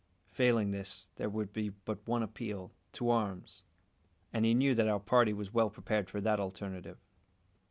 Failing this, there would be but one appeal to arms; and he knew that our party was well prepared for that alternative.